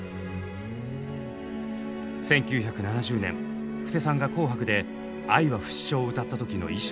１９７０年布施さんが「紅白」で「愛は不死鳥」を歌った時の衣装。